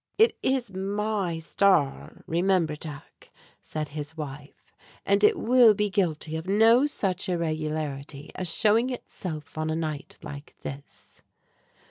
"It is my Star, remember, Jack," said his wife, "and it will be guilty of no such irregularity as showing itself on a night like this."